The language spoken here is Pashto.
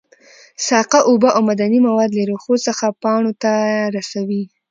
ساقه اوبه او معدني مواد له ریښو څخه پاڼو ته رسوي